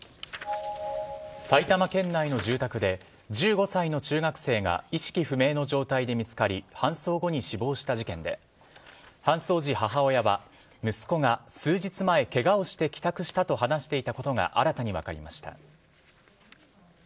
埼玉県内の住宅で１５歳の中学生が意識不明の状態で見つかり搬送後に死亡した事件で搬送時、母親は息子が数日前ケガをして帰宅したと話していたことが新たに分かりました。